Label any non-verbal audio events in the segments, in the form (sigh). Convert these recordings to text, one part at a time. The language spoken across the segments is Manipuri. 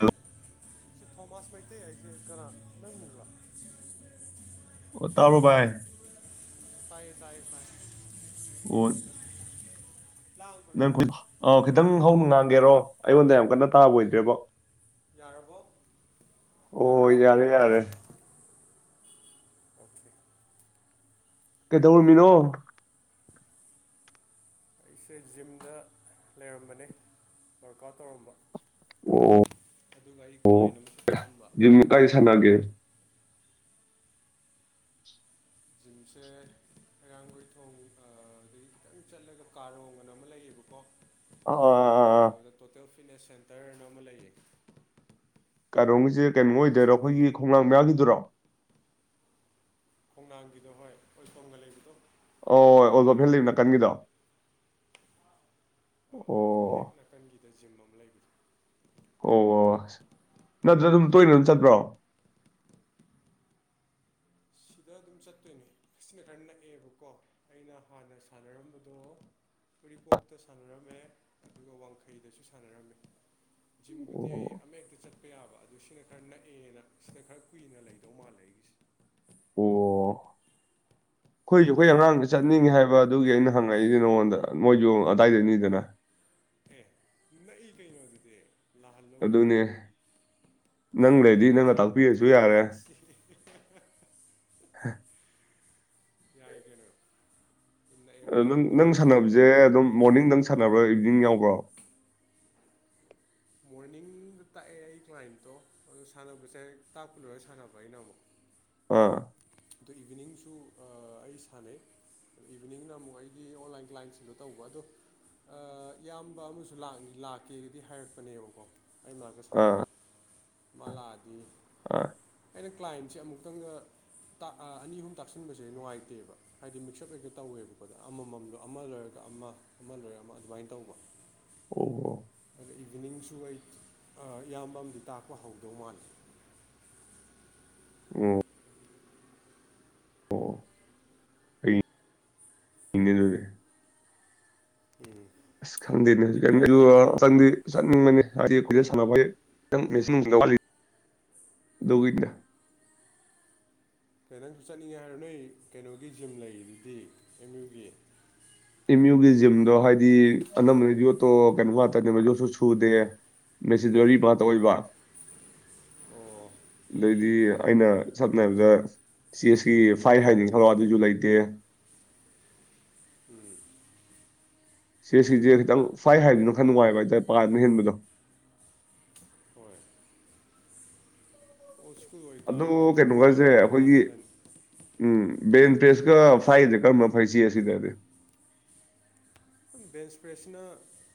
ꯑ ꯊꯄꯇꯩ ꯑꯩꯁꯦ ꯀꯔ ꯅꯂ ꯑꯣ ꯇꯔꯣꯕꯥꯥꯏ ꯑꯣ ꯅꯪ ꯑ ꯈꯤꯇꯪ ꯍꯧꯅ ꯉꯥꯡꯒꯦꯔꯣ ꯑꯩꯉꯣꯟꯗ ꯌꯥꯝ ꯀꯟꯅ ꯇꯥꯕ ꯑꯣꯏꯗ꯭ꯔꯦꯕ ꯑꯣ ꯌꯥꯔꯕ ꯌꯥꯔ ꯌꯥꯔ ꯀꯩꯗꯧꯔꯝꯃꯤꯅꯣ ꯑꯩꯁꯦ ꯖꯤꯝꯗ ꯂꯩꯔꯝꯕꯅꯦ ꯋꯥꯔꯀ ꯑꯥꯎꯠ ꯇꯧꯔꯝꯕ ꯑꯣ ꯑꯗꯨꯒ ꯑꯩ ꯀ꯭ꯂꯥꯏꯟ ꯑꯃꯁꯨ ꯇꯥꯛꯑꯝꯕ ꯑꯣ ꯀꯥꯏ ꯁꯅꯒꯦ ꯟꯁꯦ ꯍꯔꯥꯡꯒꯣꯏ ꯊꯣꯡ ꯑꯗꯗꯒꯤ ꯈꯤꯇꯪ ꯆꯠꯂꯒ ꯀꯥꯔꯣꯡꯒꯅ ꯑꯃ ꯂꯩꯌꯦꯕꯀꯣ ꯑꯥ ꯑꯥ ꯑꯥ ꯑꯥ ꯑꯥ ꯑꯗꯨꯗ ꯇꯣꯇꯦꯜ ꯐꯤꯠꯅꯦꯁ ꯁꯦꯟꯇꯔꯅ ꯑꯃ ꯂꯩꯌꯦ ꯀꯥꯔꯣꯝꯒꯤꯁꯦ ꯀꯩꯅꯣ ꯑꯗꯨꯗ ꯑꯣꯏꯗꯣꯏꯔꯣ ꯁꯥꯟꯅꯩ ꯑꯩꯈꯣꯏꯒꯤ ꯈꯣꯂꯥꯡ ꯃ ꯌꯥꯒꯤꯗꯨꯔꯣ ꯈꯣꯡꯅꯥꯡꯒꯤꯗꯣ ꯍꯣꯏ ꯑꯣꯏꯇꯣꯡꯒ ꯂꯩꯕꯗꯣ ꯑꯣ ꯑꯣꯖꯣ ꯐꯤꯜꯂꯤ ꯅꯥꯀꯟꯒꯤꯗꯣ ꯑ ꯑꯣ ꯑꯣꯏꯕꯪꯒꯤ ꯍꯦꯛ ꯅꯥꯀꯟꯒꯤꯗ ꯖꯤꯝ ꯑꯃꯝ ꯑꯣ ꯑꯣꯁ ꯅꯠꯇ꯭ꯔ ꯑꯗꯨꯝ ꯇꯣꯏꯅ ꯑꯗꯨꯝ ꯆꯠꯄ꯭ꯔꯣ ꯁꯤꯗ ꯑꯗꯨꯝ ꯆꯠꯇꯣꯏꯅꯦ ꯁꯤꯅ ꯈꯔ ꯅꯛꯑꯦꯕꯀꯣ ꯑꯩꯅ ꯍꯥꯟꯅ ꯁꯥꯟꯅꯔꯝꯕꯗꯣ ꯎꯔꯤꯄꯣꯛꯇ ꯁꯥꯟꯅꯔꯝꯃꯦ ꯑꯗꯨꯒ ꯋꯥꯡꯈꯩꯗꯁꯨ ꯁꯥꯟꯅꯔꯝꯃꯦ ꯖꯤꯝꯕꯨꯗꯤ ꯑꯩ ꯑꯃ ꯍꯦꯛꯇ ꯆꯠꯄ ꯌꯥꯕ ꯑꯗꯨ ꯁꯤꯅ ꯈꯔ ꯅꯛꯑꯦꯅ ꯁꯤꯅ ꯈꯔ ꯀꯨꯏꯅ ꯂꯩꯗꯧ ꯃꯥꯜꯂꯦ ꯑꯩꯒꯤꯁꯦ (inaudible) ꯑꯩꯈꯣꯏꯁꯨ ꯑꯩꯈꯣꯏ ꯑꯉꯥꯡꯗ ꯆꯠꯅꯤꯡꯉꯦ ꯍꯥꯏꯕ ꯑꯗꯨꯒꯤ ꯑꯩꯅ ꯍꯪꯉꯛꯏꯁ ꯅꯉꯣꯟꯗ ꯃꯣꯏꯁꯨ ꯑꯗꯨꯗꯥꯏꯗꯅꯤꯗꯅ ꯑꯦ ꯅꯛꯏ ꯀꯩꯅꯣ ꯑꯗꯨꯗꯤ ꯂꯥꯛꯍꯜꯂꯣ ꯀꯩꯅꯣ ꯑꯗꯨꯅꯦ ꯅꯪ ꯇ꯭ꯔꯦꯟꯗ ꯂꯩꯔꯗꯤ ꯑꯩꯅ ꯅꯪꯅ ꯇ꯭ꯔꯦꯟ ꯇꯥꯛꯄꯤꯔꯁꯨ ꯇꯧꯊꯔꯛꯑꯕ ꯍꯥ ꯌꯥꯏ ꯀꯅꯣ ꯅ ꯅꯪ ꯁꯥꯟꯅꯕꯁꯦ ꯑꯗꯨꯝ ꯃꯣꯔꯅꯤꯡ ꯅꯪ ꯁꯥꯟꯅꯕ꯭ꯔꯣ ꯏꯚꯤꯅꯤꯡ ꯌꯥꯎꯕ꯭ꯔꯣ ꯃꯣꯔꯅꯤꯡ ꯗ ꯇꯥꯛꯑꯦ ꯑꯩ ꯀ꯭ꯂꯥꯏꯟꯇꯣ ꯑꯗꯨꯣ ꯁꯥꯟꯅꯕꯁꯦ ꯇꯥꯛꯄ ꯂꯣꯏꯔꯒ ꯁꯥꯟꯅꯕ ꯑꯩꯅ ꯑꯃꯨꯛ ꯑꯥ ꯑꯗꯣ ꯏꯚꯤꯅꯤꯡꯁꯨ ꯑꯩ ꯁꯥꯟꯅꯩ ꯏꯚꯤꯅꯤꯡꯅ ꯑꯃꯨꯛ ꯑꯩꯒꯤ ꯑꯣꯟꯂꯥꯏꯟ ꯀ꯭ꯂꯥꯏꯟꯁꯤꯡꯗꯣ ꯇꯧꯕ ꯑꯗꯣ ꯏꯌꯥꯝꯕ ꯑꯃꯁꯨ ꯂꯥꯛꯀꯦꯒꯗꯤ ꯍꯥꯏꯔꯛꯄꯅꯦꯕꯀꯣ ꯑꯩ ꯃꯥꯒ ꯁꯥꯟꯅꯕ ꯃꯥꯂꯥꯛꯑꯗꯤ ꯑ ꯑꯩꯅ ꯀ꯭ꯂꯥꯏꯟꯁꯦ ꯑꯃꯨꯛꯇꯪꯒ ꯑꯅꯤ ꯑꯍꯨꯝ ꯇꯥꯛꯁꯤꯟꯕꯁꯦ ꯅꯨꯡꯉꯥꯏꯇꯦꯕ ꯍꯥꯏꯗꯤ ꯃꯤꯛꯁꯑꯞ ꯑꯣꯏꯒ ꯇꯧꯋꯦꯕꯀꯣꯗ ꯑꯃꯃꯝꯗꯣ ꯑꯃ ꯂꯣꯏꯔ ꯑꯗꯨꯒ ꯑꯃ ꯑꯃ ꯂꯣꯏꯔꯒ ꯑꯃ ꯑꯗꯨꯃꯥꯏꯅ ꯇꯧꯕ ꯑꯣ ꯑꯗ ꯏꯚꯤꯅꯤꯡꯁꯨ ꯑꯩ ꯏꯌꯥꯝꯕ ꯑꯃꯗꯤ ꯇꯥꯛꯄ ꯍꯧꯗꯧ ꯃꯥꯜꯂꯦ (inaudible) ꯑꯣ ꯑꯣ ꯏ ꯂꯦ ꯎꯝ ꯑ ꯑꯗꯨꯗꯤ ꯈꯟꯗꯅꯦꯅꯤꯡꯅꯤ ꯀꯩꯗꯧꯔꯝꯃꯤꯅꯣ ꯀ ꯁꯥꯟꯅꯕꯩ ꯃꯦꯆꯤꯡ ꯂꯤ ꯗꯣꯒꯤꯗ ꯀ ꯅꯪꯁꯨ ꯆꯠꯅꯤꯡꯉꯦ ꯍꯥꯏꯔꯣ ꯅꯣꯏ ꯀꯩꯅꯣꯒꯤ ꯖꯤꯝ ꯂꯩꯗꯨꯗꯤ ꯑꯦꯝ ꯌꯨꯒꯤ ꯑꯦꯝ ꯌꯨꯒꯤ ꯖꯤꯝꯗꯣ ꯍꯥꯏꯗꯤ ꯑꯅꯝꯕꯅ ꯌꯣꯠꯇꯣꯞ ꯀꯣ ꯋꯥꯇꯅꯦ ꯃꯗꯨꯁꯨ ꯁꯨꯗꯦ ꯃꯦꯁꯤꯇ ꯑꯣꯏꯕ ꯑꯣ ꯑꯗꯩꯗꯤ ꯑꯩꯅ ꯁꯝꯅ ꯍꯥꯏꯔꯕꯗ ꯆꯁꯀꯤ ꯐꯥꯏ ꯍꯥꯏꯅꯤ ꯈꯜꯂ ꯑꯗꯨꯏꯁꯨ ꯂꯩꯇꯦ ꯎꯝ ꯁꯦ ꯁꯤꯁꯦ ꯈꯤꯇꯪ ꯁꯥꯏ ꯍꯥꯏꯔꯤꯅꯣ ꯑꯗꯨꯗꯤ ꯈꯟꯅ ꯋꯥꯏꯕ ꯍꯥꯏꯇꯥꯔꯦ ꯄꯥꯗꯨꯅ ꯍꯦꯟꯕꯗꯣ ꯍꯣꯏ ꯑꯣꯜ ꯁ꯭ꯀꯨꯜ ꯑꯗꯨ ꯑꯣꯏꯇꯥꯔꯗꯤ ꯈꯤꯇꯪ ꯀꯩꯅꯣꯒꯁꯦ ꯅꯨꯡꯉꯥꯏꯕꯗꯤ ꯑꯩꯈꯣꯏꯒꯤ ꯋꯥꯠꯂꯅꯤ ꯎꯝ ꯕꯦꯟ ꯄ꯭ꯔꯦꯁ ꯀ ꯐꯥꯏꯗꯦ ꯀꯅ ꯐꯩꯁꯤꯁꯤꯗꯗꯤ ꯕꯦꯟ ꯁꯄ꯭ꯔꯦꯁꯤꯅ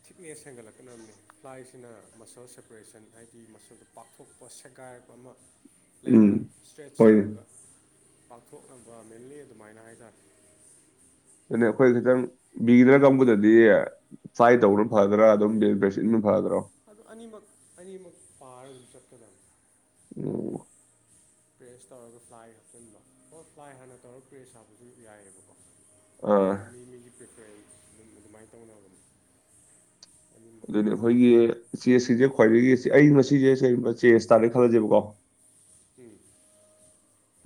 ꯊꯤꯛꯅꯦꯁ ꯍꯦꯟꯒꯠꯂꯛꯀꯕ ꯄ꯭ꯂꯥꯏꯁꯤꯅ ꯃꯁꯜ ꯁꯦꯄꯔꯦꯁꯟ ꯍꯥꯏꯗꯤ ꯃꯁꯜꯗꯨꯣ ꯄꯥꯛꯊꯣꯛꯄ ꯁꯦꯒꯥꯏꯔꯛꯄ ꯑꯃ ꯎꯝ ꯂꯩꯗꯅ ꯏꯁꯇ꯭ꯔꯦꯠꯆ ꯍꯣꯏꯅꯦ ꯇꯧꯔꯒ ꯄꯥꯊꯣꯛ ꯃꯤꯂꯅꯤ ꯑꯗꯨꯃꯥꯏꯅꯥ ꯍꯥꯏꯗꯔ ꯑꯗꯨ ꯑꯩꯈꯣꯏ ꯈꯤꯇꯪ ꯕꯤꯒꯤꯅꯔꯒꯝꯕꯗꯗꯤ ꯐꯥꯏ ꯇꯧꯕꯅ ꯐꯗ꯭ꯔꯥ ꯑꯗꯨꯝꯦꯁꯤꯟ ꯐꯗ꯭ꯔꯣ ꯑꯗꯨ ꯑꯅꯤꯃꯛ ꯑꯅꯤꯃꯛ ꯄꯥꯔ ꯑꯗꯨꯝ ꯆꯠꯀꯗꯕ ꯑꯣ ꯄ꯭ꯔꯦꯁ ꯇꯧꯔꯒ ꯐ꯭ꯂꯥꯏ ꯍꯥꯞꯆꯤꯟꯕꯣ ꯑꯣ ꯐ꯭ꯂꯥꯏ ꯍꯥꯟꯅ ꯇꯧꯔꯒ ꯄ꯭ꯔꯦꯁ ꯍꯥꯞꯄꯁꯨ ꯌꯥꯏꯑꯕꯀꯣ ꯑꯥ ꯑꯗꯨꯝ ꯃꯤ ꯃꯤꯒꯤ ꯑꯗꯨꯃꯥꯏꯅ ꯇꯧꯅ ꯑꯗꯨꯅꯤ ꯑꯗꯨꯗꯤ ꯑꯩꯈꯣꯏꯒꯤ ꯆꯦꯁꯁꯤꯡꯁꯦ ꯈ꯭ꯋꯥꯏꯗꯒꯤ ꯑꯩ ꯉꯁꯤꯁꯦ ꯀꯒꯨꯝꯕ ꯆꯦꯖ ꯇꯥꯔꯦ ꯈꯜꯂꯁꯦꯕꯀꯣ ꯎꯝ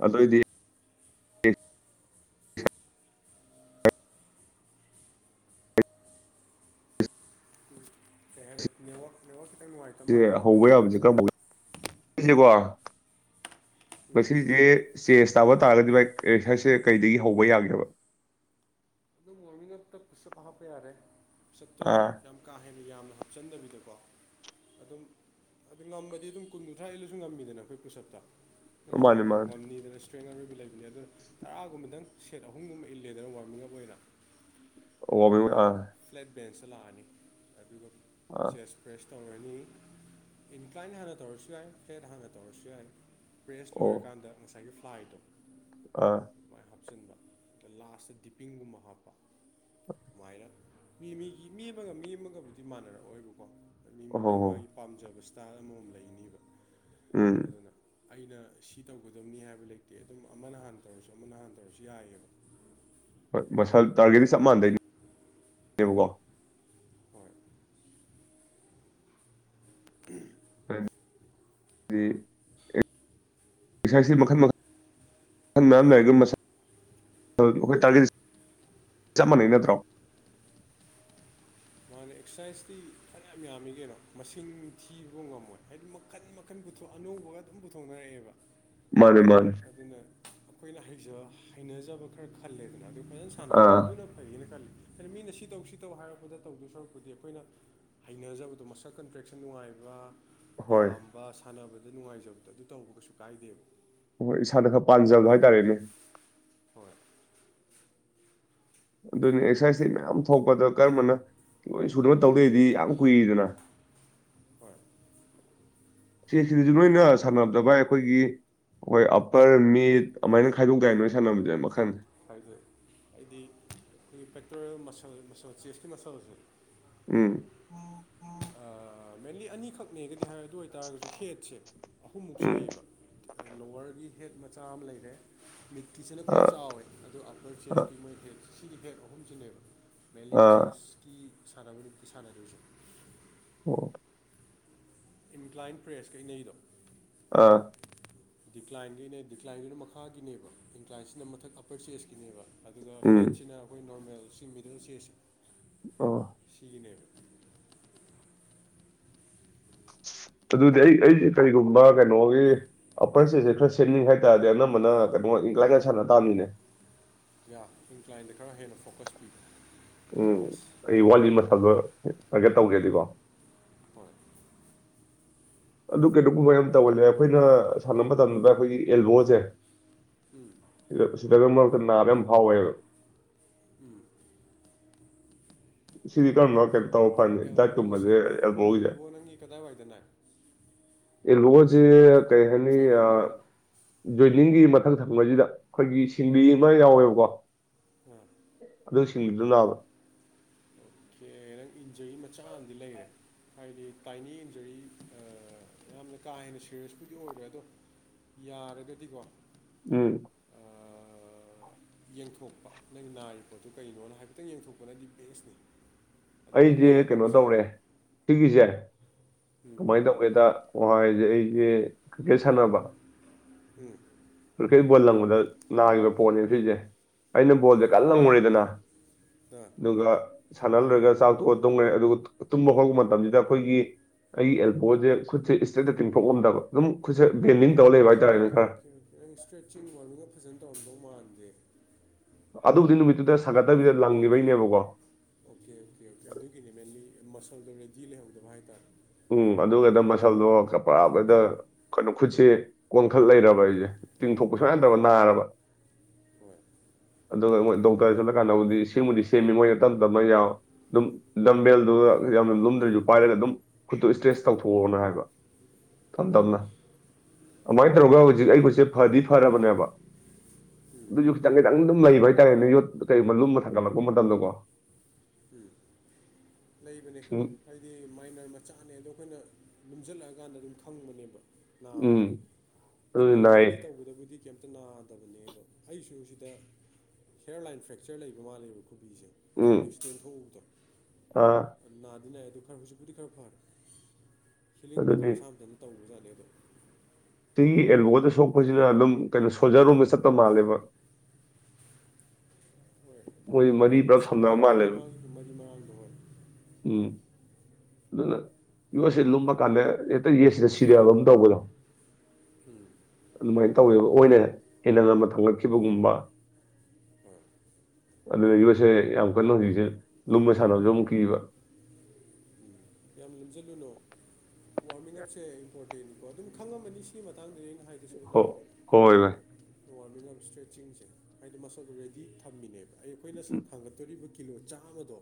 ꯑꯗꯗꯤ ꯇꯦꯟꯅꯦꯌ ꯦ ꯍꯧꯕ ꯌꯥꯕꯁꯦ ꯀꯔꯝꯕꯅꯀꯣ ꯎꯝ ꯄꯁꯦ ꯆꯦꯁ ꯆꯥꯕ ꯇꯥꯔꯒꯗꯤ ꯚꯥꯏ ꯔꯦꯁꯔꯁꯦ ꯀꯩꯗꯒꯤ ꯍꯧꯕ ꯌꯥꯒꯦꯕ ꯑꯅꯇ ꯄꯁꯞꯄ ꯍꯥꯞꯄ ꯌꯥꯔꯦ ꯄꯁꯠꯇꯣ ꯑꯥ ꯌꯥꯝ ꯀꯥ ꯍꯦꯟꯅ ꯌꯥꯝꯅ ꯍꯥꯞꯆꯤꯟꯗꯕꯤꯗꯀꯣ ꯑꯗꯨꯝ ꯑꯗꯨ ꯉꯝꯃꯗꯤ ꯑꯗꯨꯝ ꯀꯨꯟꯊ ꯊ꯭ꯔꯥ ꯍꯜꯂꯁꯨ ꯉꯝꯃꯤꯗꯅ ꯑꯩꯈꯣꯏ ꯄꯨꯁꯞꯇ ꯁꯨ ꯃꯥꯅꯦ ꯃꯥꯅꯦ ꯃꯟꯅꯤꯗꯅ ꯏꯁ꯭ꯔꯦꯡ ꯑꯔꯣꯏꯕ ꯂꯩꯕꯅꯦ ꯑꯗꯨꯣ ꯇꯔꯥꯒꯨꯝꯕꯗꯪ ꯁꯦꯠ ꯑꯍꯨꯝꯒꯨꯝꯕ ꯏꯜꯂꯦꯗꯅ ꯋꯥꯔꯃꯤꯡ ꯑꯞ ꯑꯣꯏꯔꯥ ꯑꯣ ꯃꯥꯅꯦ ꯑꯗꯨꯒ ꯑꯥ ꯐ꯭ꯂꯦꯠ ꯕꯦꯟꯁꯇ ꯂꯥꯛꯑꯅꯤ ꯑꯗꯨꯒ ꯑꯥ ꯆꯦꯁ ꯐ꯭ꯔꯦꯁ ꯇꯧꯔꯅꯤ ꯏꯟꯀ꯭ꯂꯥꯏꯟ ꯍꯥꯟꯅ ꯇꯧꯔꯁꯨ ꯌꯥꯏ ꯐꯦꯠ ꯍꯥꯟꯅ ꯇꯧꯔꯁꯨ ꯌꯥꯏ ꯑꯦꯛꯁꯄ꯭ꯔꯦꯁ ꯑꯣ ꯂꯣꯏꯔꯀꯥꯟꯗ ꯉꯁꯥꯏꯒꯤ ꯐ꯭ꯂꯥꯏꯠꯇꯣ ꯑꯥ ꯍꯥꯞꯆꯤꯟꯕ ꯑ ꯂꯥꯁꯇ ꯗꯤꯄꯤꯡꯒꯨꯝꯕ ꯍꯥꯞꯄ ꯑꯗꯨꯃꯥꯏꯅ ꯃꯤ ꯃꯤꯒꯤ ꯃꯤ ꯑꯃꯒ ꯃꯤ ꯑꯃꯒꯕꯨꯗꯤ ꯃꯥꯟꯅꯔꯛꯑꯣꯏꯕꯀꯣ ꯃꯤ ꯃꯤꯒꯤ ꯃꯥꯒꯤ ꯑꯣ ꯄꯥꯝꯖꯕꯁꯤꯗ ꯏꯁꯄꯤꯇꯥꯜ ꯑꯃꯃꯝ ꯂꯩꯅꯤꯕ ꯎꯝ ꯑꯗꯨꯅ ꯑꯩꯅ ꯁꯤ ꯇꯧꯒꯗꯕꯅꯤ ꯍꯥꯏꯕ ꯂꯩꯇꯦ ꯑꯗꯨꯝ ꯑꯃꯅ ꯍꯥꯟꯅ ꯇꯧꯔꯁꯨ ꯑꯃꯅ ꯍꯥꯟꯅ ꯇꯧꯔꯁꯨ ꯌꯥꯏꯌꯦꯕ ꯍꫭꯏ ꯃꯁꯜ ꯇꯥꯔꯒꯦꯛꯇꯤ ꯆꯞ ꯃꯥꯟꯗꫭꯏꯅꯦ ꯌꯦꯡꯉꯨꯀꫭ ꯍꯣꯏ ꯎꯝ ꯑꯩ ꯗꯤ ꯑꯦꯛꯁꯥꯏꯁꯤ ꯃꯈꯜ ꯃꯈꯜ ꯑꯗꯥꯟ ꯂꯩꯔꯒ ꯃꯁꯜ ꯑꯈꯣꯏ ꯇꯥꯔꯉꯦꯠ ꯆꯞ ꯃꯥꯟꯅꯩ ꯅꯠꯇ꯭ꯔꯣ ꯑꯗꯨꯅ ꯑꯦꯛꯁ꯭ꯔꯁꯥꯏꯇꯤ ꯐꯩꯅꯥꯝ ꯌꯥꯝꯃꯤ ꯀꯩꯅꯣ ꯃꯁꯤꯡ ꯊꯤꯕ ꯕꯨꯛ ꯉꯝꯃꯣꯏ ꯍꯥꯏꯗꯤ ꯃꯈꯟ ꯃꯈꯟ ꯄꯨꯊꯣꯛꯑ ꯑꯅꯧꯕꯒ ꯑꯗꯨꯝ ꯄꯨꯊꯣꯛꯅꯔꯛꯑꯦꯕ ꯃꯥꯅꯦ ꯃꯥꯅꯦ ꯑꯗꯨꯅ ꯑꯩꯈꯣꯏꯅ ꯍꯖ ꯍꯩꯅꯖꯕ ꯈꯔ ꯈꯜꯂꯦꯗꯅ ꯑꯗꯨ ꯐꯖꯟ ꯁꯥꯟꯅꯕ ꯑꯥ ꯑꯗꯨꯅ ꯐꯩꯌꯦꯅ ꯈꯜꯂꯤ ꯍꯥꯏꯗꯤ ꯃꯤꯅ ꯁꯤ ꯇꯧ ꯁꯤ ꯇꯧ ꯍꯥꯏꯔꯛꯄꯗ ꯇꯧꯗꯣꯏ ꯁꯔꯨꯛꯄꯨꯗꯤ ꯑꯩꯈꯣꯏꯅ ꯍꯩꯅꯖꯕꯗꯣ ꯃꯁꯜ ꯀꯟꯇ꯭ꯔꯦꯛꯁꯟ ꯅꯨꯡꯉꯥꯏꯕ ꯍꯣꯏ ꯄꯥꯝꯕ ꯁꯥꯟꯅꯕꯗ ꯅꯨꯡꯉꯥꯏꯖꯕꯗꫭ ꯑꯗꯨ ꯇꯧꯕ ꯀꯩꯁꯨ ꯀꯥꯏꯗꯦꯕ ꯑꫭ ꯏꯁꯥꯗ ꯈꯔ ꯄꯥꯟꯖꯕ ꯍꯥꯏꯇꯥꯔꯦꯅꯦ ꯍꯣꯏ ꯑꯗꯨꯅ ꯑꯦꯛꯁ꯭ꯔꯁꯥꯏꯇꯤ ꯃꯌꯥꯝ ꯊꯣꯛꯄꯗ ꯀꯔꯝꯕꯅ ꯂꯣꯏ ꯁꯨꯅꯕ ꯇꯧꯂꯩꯔꯗꯤ ꯌꯥꯝ ꯀꯨꯏꯗꯅ ꯍꯣꯏ ꯆꯦꯁ ꯁꯤꯗꯤ ꯅꫭꯏꯅ ꯁꯥꯟꯅꯕꯗ ꯕꯥꯏ ꯑꯩꯈꯣꯏꯒꯤ ꯍꯣꯏ ꯑꯞꯄꯔ ꯃꯤꯠ ꯑꯃꯥꯟꯅ ꯈꯥꯏꯗꯣꯛ ꯇꯥꯏ ꯅꯣꯏ ꯁꯥꯟꯅꯕꯗꯤ ꯃꯈꯟ ꯈꯥꯏꯗꫭꯛ ꯑꯦ ꯑꯩꯗꯤ ꯊꯨꯞ ꯄꯦꯇ꯭ꯔꯣꯂꯦꯜ ꯃꯁꯜ ꯃꯁꯜ ꯆꯦꯁꯀꯤ ꯃꯁꯜꯖꯦ ꯎꯝ ꯑꯩ ꯃꯦꯟꯂꯤ ꯑꯅꯤ ꯈꯛꯅꯦꯒꯗꯤ ꯍꯥꯏꯔꯒ ꯑꯗꯨ ꯑꯣꯏꯇꯥꯔꯒꯖꯨ ꯍꯦꯠꯁꯦ ꯑꯍꯨꯝꯃꯨꯛ ꯎꯝ ꯁꯨꯏꯌꯦꯕ ꯑ ꯂꫭꯋ꯭ꯔꯉꯤ ꯍꯦꯠ ꯃꯆꯥ ꯑꯃ ꯂꯩꯔꯦ ꯃꯤꯠꯀꯤꯁꯤꯅ ꯈ꯭ꯋꯥꯏ ꯑꯥ ꯆꯥꯎꯋꯦ ꯑꯗꯨ ꯑꯞꯄ꯭ꯔ ꯑꯥ ꯆꯦꯁꯇꯤ ꯃꫭꯏ ꯈꯦꯛ ꯁꯤꯒꯤ ꯈꯦꯠ ꯑꯍꯨꯝꯁꯤꯅꯦꯕ ꯃꯦꯟꯂꯤ ꯑꯥ ꯆꯦꯁꯀꯤ ꯁꯥꯟꯅꯕ ꯅꯨꯃꯤꯠꯀꯤ ꯁꯥꯟꯅ ꯗꫭꯏꯖꯦ ꯑꯣ ꯏꯟꯀ꯭ꯂꯥꯏꯟ ꯄ꯭ꯔꯦꯁ ꯀ ꯏꯟ ꯅꯩꯗꫭ ꯑꯥ ꯗꯤꯀ꯭ꯂꯥꯏꯟꯒꯤꯅꯦ ꯗꯤꯀ꯭ꯂꯥꯏꯟꯒꯤꯅ ꯃꯈꯥꯒꯤꯅꯦꯕ ꯏꯟꯀ꯭ꯂꯥꯏꯟꯁꯤꯅ ꯃꯊꯛ ꯑꯞꯄꯔ ꯆꯦꯁꯀꯤꯅꯦꯕ ꯑꯗꯨꯒ ꯎꯝ ꯐ꯭ꯂꯦꯠꯁꯤꯅ ꯑꯩꯈꯣꯏ ꯅꯣꯔꯃꯦꯜ ꯆꯤꯡꯕꯤꯗꯨꯅ ꯆꯦꯁ ꯑꫭ ꯏꯅꯦ (unintelligible) ꯑꯗꯨꯗꯤ ꯑꯩ ꯑꯩ ꯀꯔꯤꯒꯨꯝꯕ ꯀꯩꯅꯣꯒꯤ ꯑꯄꯔ ꯆꯦꯁꯁꯦ ꯈꯔ ꯁꯦꯝꯅꯤꯡ ꯍꯥꯏ ꯇꯔꯗꯤ ꯑꯅꯝꯕꯅ ꯀꯩꯕꫭꯟ ꯏꯟꯀ꯭ꯂꯥꯏꯟꯗ ꯁꯥꯟꯅ ꯇꯕꯅꯤꯅꯦ ꯌꯥ ꯏꯟꯀ꯭ꯂꯥꯏꯟꯗ ꯈꯔ ꯍꯦꯟꯅ ꯐꯣꯀꯁ ꯄꯤꯕ ꯑꯗꯨꯝ ꯎꯝ ꯕꯦꯁ ꯑꯩ ꯋꯥꯠꯂꯤ ꯃꯁꯜꯗꯣ ꯇꯥꯔꯒꯦꯠ ꯇꯧꯒꯦꯗꯤꯀꯣ ꯍꯣꯏ ꯑꯗꯨ ꯀꯅꫭꯒꯨꯝꯕ ꯌꯥꯝ ꯇꯧꯍꯜꯂꯦ ꯑꯩꯈꯣꯏꯅ ꯁꯥꯟꯅꯕ ꯃꯇꯝꯗ ꯑꯩꯈꯣꯏꯒꯤ ꯑꯦꯜꯕꯣꯁꯦ ꯎꯝ ꯏꯌꯦ ꯁꯤꯇ꯭ꯔꯝ ꯃ ꯈꯨꯛ ꯅꯥꯕ ꯌꯥꯝ ꯐꯥꯎ꯭ꯋꯦꯕ ꯎꯝ ꯁꯤꯗꯤ ꯀꯔꯝꯕ ꯀꯩꯝ ꯇꯧ ꯑꯦꯜꯕꯣꯁꯦ ꯑꯦꯜꯕꯣ ꯅꯪꯒꯤ ꯀꯗꯥꯏꯋꯥꯏꯗꯅꯥꯏ ꯑꯦꯜꯕꫭ ꯁꯤ ꯀꯩꯍꯥꯏꯅꯤ ꯑ ꯀꯩꯅꯣ ꯒꫭꯟ ꯈꯨꯅꯤꯡꯉꯤ ꯃꯊꯪ ꯊꯪꯕꯖꯤꯗ ꯑꯈꯣꯏꯒꯤ ꯁꯤꯡꯂꯤ ꯑꯃ ꯑꯥ ꯌꯥꯎꯋꯦꯕꯀꯣ ꯑꯗꯨ ꯁꯤꯡꯂꯤꯗꫭ ꯅꯕꯔꫭ ꯏꯟꯖꯩ ꯃꯆꯥ ꯑꯃꯗꯤꯗꯤ ꯂꯩꯔꯦ ꯍꯥꯏꯗꯤ ꯇꯥꯏꯅꯤ ꯏꯟꯖꯔꯤ ꯌꯥꯝꯅ ꯀꯥ ꯍꯦꯟꯅ ꯁꯦꯔꯤꯌꯁꯄꯨꯗꯤ ꯑꯣꯏꯔ꯭ꯔꯦ ꯑꯗꯣ ꯌꯥꯔꯒꯗꯤꯀꯣ ꯎꯝ ꯌꯦꯡꯊꯣꯛꯄ ꯅꯪꯒꯤ ꯅꯥꯔꯤꯕ ꯄꯣꯠꯇꯨ ꯀꯩꯅꯣꯅ ꯍꯥꯏꯐꯦꯠꯇꯪ ꯌꯦꯡꯊꯣꯛꯄꯅꯗꯤ ꯕꯦꯁꯅꯤ ꯑꯗꯨꯃꯥꯏꯅ ꯑꯩꯁꯦ ꯀꯩꯅꯣ ꯅꯥꯈꯤꯕꯁꯦ ꯇꯧꯔꯦ ꯁꯤꯒꯤꯁꯦ ꯎꯝ ꯀꯃꯥꯏꯅ ꯇꯧꯒꯦꯗ ꯑꯣ ꯍꯥꯏꯁꯦ ꯑꯩꯁꯦ ꯀ꯭ꯔꯤꯀꯦꯠ ꯁꯥꯟꯅꯕ ꯎꯝ ꯀꯔꯤ ꯒꯣꯜ ꯂꯪꯕꯗ ꯅꯥꯈꯤꯕ ꯄꯣꯠꯅꯦ ꯁꯤꯁꯦ ꯑꯩꯅ ꯕꯣꯜꯁꯦ ꯎꯝ ꯀꯟꯅ ꯂꯪꯉꯨꯔꯔꯤꯗꯅ ꯑꯥ ꯑꯗꯨꯒ ꯁꯥꯟꯅꯍꯜꯂꯣꯏꯨꯔꯒ ꯆꯥꯛꯊꯣꯛꯑꯒ ꯇꯨꯝꯈ꯭ꯔꯦ ꯑꯗꯨꯒ ꯇꯨꯝꯕ ꯍꯧꯔꯛꯄ ꯃꯇꯝꯁꯤꯗ ꯑꯩꯈꯣꯏꯒꯤ ꯑꯩꯒꯤ ꯑꯦꯜꯕꯣꯁꯦ ꯈꯨꯠꯁꯦ ꯏꯁꯇ꯭ꯔꯔꯤꯛꯇ ꯇꯤꯡꯊꯣꯛꯂꯝꯗꯕ ꯑꯗꯨꯝ ꯈꯨꯠꯁꯦ ꯕꯦꯟꯗꯤ ꯇꯧ ꯂꯩ ꯑꯣꯀꯦ ꯑꯣꯀꯦ ꯍꯥꯏꯇꯥꯔꯦꯃꯤꯀ ꯑꯣꯀꯦ ꯑꯣꯀꯦ ꯅꯪ ꯏꯁꯇ꯭ꯔꯦꯠꯆꯤꯡ ꯋꯥꯔꯃꯤꯡꯒ ꯐꯖꯅ ꯇꯧꯔꯝꯗꯧ ꯃꯥꯟꯗꯦ ꯑꯗꯨꯕꯨꯗꯤ ꯅꯨꯃꯤꯠꯇꯨꯗ ꯁꯥꯒꯠꯇꯕꯤꯗ ꯂꯪꯈꯤꯕꯩꯅꯦꯕꯀꯣ ꯑꯣꯀꯦ ꯑꯣꯀꯦ ꯑꯣꯀꯦ ꯑꯗꯨꯒꯤꯅꯤ ꯃꯦꯟꯂꯤ ꯃꯁꯜꯗꯣ ꯔꯦꯗꯤ ꯂꯩꯍꯧꯗꯕ ꯍꯥꯏꯇꯥꯔꯦ ꯎꯝ ꯍꯥꯏꯗꯤ ꯑꯗꯨꯒꯅ ꯃꯁꯜꯗꯣ ꯀꯄꯔꯥꯕꯗ ꯀꯩꯅꯣ ꯈꯨꯠꯁꯦ ꯀꯣꯟꯈꯠ ꯂꯩꯔꯕ ꯑꯩꯁꯦ ꯇꯤꯡꯊꯣꯛꯄ ꯁꯨꯡꯌꯥ ꯌꯥꯗꯕ ꯎꯝ ꯅꯥꯔꯕ ꯍꯣꯏ ꯑꯗꯨꯒ ꯃꯣꯏ ꯗꯣꯛꯇꯔꯗ ꯆꯠꯂꯀꯥꯟꯗꯕꯨꯗꯤ ꯁꯤꯡꯕꯨꯗꯤ ꯁꯦꯝꯃꯤ ꯃꯣꯏꯅ ꯇꯞꯅ ꯇꯞꯅ ꯌꯥꯎꯝ ꯂꯝꯕꯦꯜꯗꯨ ꯌꯥꯝꯅ ꯂꯨꯝꯗ꯭ꯔꯁꯨ ꯄꯥꯏꯔꯒ ꯑꯗꯨꯝ ꯈꯨꯠꯇꯨ ꯏꯁꯇ꯭ꯔꯦꯁ ꯇꯧꯊꯣꯛꯑꯣꯅ ꯍꯥꯏꯕ ꯇꯝ ꯍꯣꯏ ꯇꯝꯅ ꯑꯗꯨꯃꯥꯏꯅ ꯇꯧꯔꯒ ꯍꯧꯖꯤꯛ ꯑꯩ ꯄꯣꯠꯁꯦ ꯐꯗꯤ ꯐꯔꯕꯅꯦꯕ ꯎꯝ ꯑꯗꯨꯁꯨ ꯈꯤꯇꯪ ꯈꯤꯇꯪ ꯑꯗꯨꯝ ꯂꯩꯕ ꯍꯥꯏꯇꯥꯔꯦ ꯅ ꯌꯣꯠ ꯀꯩ ꯂꯨꯝ ꯑꯃ ꯊꯥꯡꯒꯠꯂꯛꯄ ꯃꯇꯝꯗꯀꯣ ꯎꯝ ꯂꯩꯕꯅꯦ ꯎꯝ ꯍꯥꯏꯗꯤ ꯃꯥꯏ ꯏ ꯆꯥꯅꯩ ꯑꯗꯣ ꯑꯩꯈꯣꯏꯅ ꯃꯟꯁꯤꯜꯂꯛꯑꯀꯥꯟꯗ ꯑꯗꯨꯝ ꯈꯪꯕꯅꯦꯕ ꯅꯥꯕꯗꯣ ꯎꯝ ꯁꯨꯝ ꯑꯗꯨꯗꯤ ꯅꯥꯏ ꯅꯣꯔꯃꯦꯜꯂꯤ ꯇꯧꯕꯗꯕꯨꯗꯤ ꯀꯩꯝꯇ ꯅꯥꯗꯕꯅꯦ ꯑꯗꯣ ꯑꯩꯁꯨ ꯁꯤꯗ ꯍꯦꯌꯔ ꯂꯥꯏꯟ ꯐ꯭ꯔꯦꯛꯆꯔ ꯂꯩꯕ ꯃꯥꯜꯂꯦꯕꯀꯣ ꯈꯨꯨꯕꯤꯁꯦ ꯎꯝ ꯑꯩꯅ ꯑꯦꯛꯁꯇꯦꯟ ꯊꯣꯛꯎꯕꯗꯣ ꯑꯥ ꯅꯥꯗꯤ ꯅꯥꯏ ꯑꯗꯨ ꯈꯔ ꯍꯧꯖꯤꯛꯄꯨꯗꯤ ꯈꯔ ꯐꯔꯦ ꯐꯤꯂꯤꯡꯕꯨꯗꯤ ꯑꯗꯨꯅꯤ ꯃꯁꯥ ꯃꯊꯟꯇ ꯇꯧꯕꯖꯥꯠꯅꯦ ꯑꯗ ꯑꯦꯜꯕꯣꯗ ꯁꯣꯛꯄꯁꯤꯅ ꯑꯗꯨꯝ ꯀꯩꯅꯣ ꯁꯣꯜꯖꯔꯨꯝꯕ ꯆꯠꯄ ꯃꯥꯜꯂꯦꯕ ꯍꯣꯏ ꯑꯗꯨꯝ ꯃꯣꯏ ꯃꯔꯤ ꯀꯩꯅꯣ ꯄꯨꯂꯞ ꯁꯝꯅꯕ ꯁꯝꯅꯗꯦꯅꯦ ꯃꯥꯜꯂꯦꯕ ꯃꯥ ꯃꯒꯤ ꯃꯔꯥꯡꯗ ꯍꯣꯏ ꯎꯝ ꯑꯗꯨꯅ ꯌꯣꯠꯁꯤ ꯂꯨꯝꯃ ꯀꯥꯟꯗ ꯍꯦꯛꯇ ꯌꯦꯠꯁꯤꯗ ꯁꯤꯔꯑꯕ ꯑꯃ ꯇꯧꯕꯗꯣ ꯎꯝ ꯑꯗꯨꯃꯥꯏꯅ ꯇꯧꯋꯦꯕ ꯑꯣꯏꯅ ꯍꯦꯟꯅ ꯉꯝꯕ ꯊꯝꯒꯠꯈꯤꯕꯒꯨꯝꯕ ꯍꯣꯏ (unintelligible) ꯑꯗꯨꯅ ꯌꯣꯠꯁꯦ ꯌꯥꯝ ꯀꯟꯅ ꯍꯧꯖꯤꯛꯁꯦ ꯂꯨꯝꯅ ꯁꯥꯟꯅꯕꯁꯨ ꯑꯃꯨꯛ ꯀꯤꯕ ꯎꯝ ꯌꯥꯝ ꯂꯨꯝꯁꯤꯜꯂꯨꯅꯣ ꯋꯥꯔꯃꯤꯡ ꯑꯞꯁꯦ ꯏꯝꯄꯣꯔꯇꯦꯟꯀꯣ ꯑꯗꯨꯝ ꯈꯪꯉꯝꯃꯅꯤ ꯁꯤꯒꯤ ꯃꯇꯥꯡꯗꯅꯤ ꯍꯥꯏꯗꯤ ꯁ ꯍꯣ ꯑꯗꯨꯒ ꯍꯣꯏ ꯚꯥꯏ ꯏꯁꯇ꯭ꯔꯦꯠꯆꯤꯡꯁꯦ ꯍꯥꯏꯗꯤ ꯃꯁꯛꯗꯣ ꯔꯦꯗꯤ ꯊꯝꯃꯤꯅꯦꯕ ꯑꯩ ꯑꯩꯈꯣꯏꯅ ꯊꯥꯡꯒꯠꯇꯣꯔꯤꯕ ꯀꯤꯂꯣ ꯆꯥꯝꯃꯗꯣ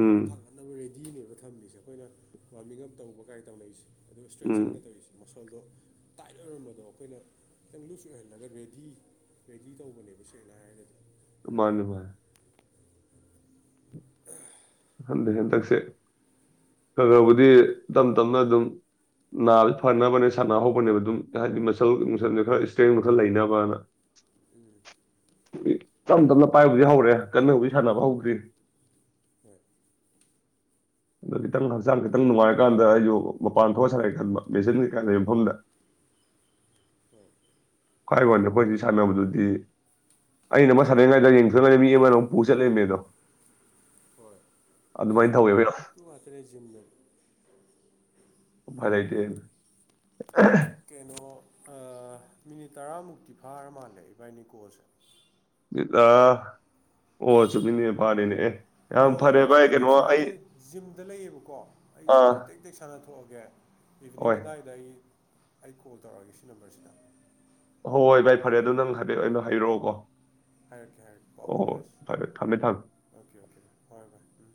ꯎꯝ ꯑꯗꯨ ꯊꯥꯡꯅꯠꯅꯕ ꯔꯦꯗꯤꯅꯦꯕ ꯊꯝꯃꯤꯁꯦ ꯑꯩꯈꯣꯏꯅ ꯋꯥꯔꯃꯤꯡ ꯑꯞ ꯇꯧꯕ ꯀꯥꯏ ꯇꯧꯅꯔꯤꯁꯦ ꯑꯗꯨꯝ ꯎꯝ ꯏꯁꯇ꯭ꯔꯦꯆꯤꯡꯅ ꯇꯧꯔꯤꯁꯤ ꯃꯈꯜꯗꯣ ꯇꯥꯏꯠ ꯑꯣꯏꯔꯝꯕꯗꯣ ꯑꯩꯈꯣꯏꯅ ꯈꯤꯇꯪ ꯂꯨꯁ ꯑꯣꯏꯍꯜꯂꯒ ꯔꯦꯗꯤ ꯔꯦꯗꯤ ꯇꯧꯕꯅꯦꯕ ꯁꯦꯡꯅ ꯍꯥꯏꯔꯒꯗꯤ ꯃꯥꯂꯨ ꯍꯥꯏ ꯍꯟꯊꯩ ꯍꯟꯇꯛꯁꯦ ꯈ ꯈꯔꯕꯨꯗꯤ ꯇꯞ ꯇꯞꯅ ꯑꯗꯨꯝ ꯅꯥꯁꯦ ꯐꯅꯕꯅꯦ ꯁꯥꯟꯅꯍꯧꯕꯅꯦꯕ ꯑꯗꯨꯝ ꯍꯥꯏꯕꯗꯤ ꯃꯁꯜ ꯃꯁꯜꯁ ꯈꯔ ꯏꯁꯇ꯭ꯔꯦꯡ ꯈꯔ ꯂꯩꯅꯕꯅ ꯎꯝ (unintelligible) ꯇꯞ ꯇꯞꯅ ꯄꯥꯏꯕꯨꯗꯤ ꯍꯧꯔꯦ ꯀꯟꯅꯕꯨꯗꯤ ꯁꯥꯟꯅꯕ ꯍꯧꯗ꯭ꯔꯤ ꯍꯣꯏ (unintelligible) ꯑꯗꯣ ꯈꯤꯇꯪ ꯍꯛꯆꯥꯡ ꯈꯤꯇꯪ ꯅꯨꯡꯉꯥꯏꯔꯀꯥꯟꯗ ꯑꯩꯁꯨ ꯃꯄꯥꯟ ꯊꯣꯛꯑ ꯁꯥꯟꯅꯦ ꯈꯟꯕ ꯃꯦꯆꯤꯟ ꯀꯩꯀꯥ ꯂꯩ ꯃꯐꯝꯗ ꯍꯣꯏ ꯀꯥꯏ ꯌꯥꯏ ꯋꯥꯔꯅꯦꯕ ꯄꯗꯤ ꯁꯃꯦꯗꯨ ꯁꯤ ꯑꯩꯅ ꯑꯃ ꯁꯥꯗꯅꯤꯡꯉꯥꯏꯗ ꯌꯦꯡꯊꯣꯛꯒꯅꯦ ꯃꯤ ꯑꯃꯅ ꯑꯃꯨꯛ ꯄꯨ ꯆꯠꯂꯕꯃꯦ ꯑꯗꯣ ꯇ ꯑꯇꯔ ꯤꯟꯗ ꯐꯔꯥꯏꯇ ꯀꯩꯅꯣ ꯃꯤꯅꯤꯠ ꯇꯔꯥꯃꯨꯛꯇꯤ ꯐꯥꯔ ꯃꯥꯜꯂꯦ ꯏꯕꯥꯅꯤꯀꯣꯁꯦ ꯗ ꯍ ꯆꯃꯤꯅꯦ ꯐꯥꯔꯦꯅꯦ ꯑꯦ ꯑꯗꯣ ꯌꯥꯝ ꯐꯔꯦ ꯚꯥꯏ ꯁꯨꯃꯥꯏꯅ ꯀꯩꯅꯣ ꯇꯧꯁꯤꯔ ꯑꯩ ꯑꯩꯁꯦ ꯖꯤꯝꯗ ꯂꯩꯌꯦꯕꯀꯣ ꯑꯩ ꯑꯥ ꯖꯤꯝꯁꯦ ꯇꯦꯛ ꯇꯦꯛ ꯁꯥꯟꯅ ꯊꯣꯛꯣꯛꯑꯒꯦ ꯏꯚꯤꯅꯤꯡ ꯍꯣꯏ ꯑꯗꯨꯗꯥꯋꯥꯏꯗ ꯑꯩ ꯑꯩ ꯀꯣꯜ ꯇꯧꯔꯛꯑꯒꯦ ꯁꯤ ꯅꯝꯕꯔꯁꯤꯗ ꯍꯣꯏ ꯍꯣꯏ ꯚꯥꯏ ꯐꯔꯦ ꯑꯗꯨꯣ ꯅꯪ ꯍꯥꯏꯐꯦꯠ ꯑꯩꯅꯣ ꯍꯥꯏꯔꯛꯑꯣꯀꯣ ꯍꯥꯏꯔꯛꯀꯦ ꯍꯥꯏꯔꯛꯀꯦ ꯄꯥꯎ ꯑꯣ ꯍꯣꯏ ꯐꯥꯎꯅꯔꯁꯤ ꯐꯔꯦ ꯊꯝꯃꯦ ꯊꯝꯃꯦ ꯑꯣꯀꯦ ꯑꯣꯀꯦ ꯍꯣꯏ ꯚꯥꯏ ꯎꯝ